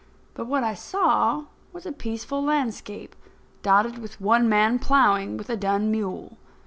But what I saw was a peaceful landscape dotted with one man ploughing with a dun mule.